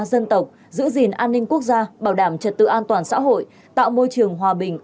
dân tộc giữ gìn an ninh quốc gia bảo đảm trật tự an toàn xã hội tạo môi trường hòa bình